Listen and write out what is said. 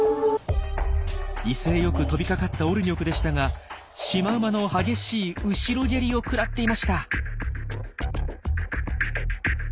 威勢よく飛びかかったオルニョクでしたがシマウマの激しい後ろ蹴りを食らっていました。